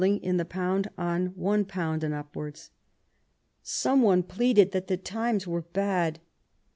in the poimd on £1 and upwards. Some one pleaded that the times were bad.